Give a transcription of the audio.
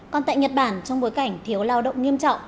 còn tại nhật bản trong bối cảnh thiếu lao động nghiêm trọng